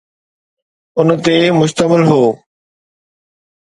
ان تي مشتمل هو